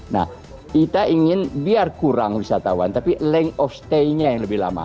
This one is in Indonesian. nah kita ingin biar kurang wisatawan tapi lengk of stay nya yang lebih lama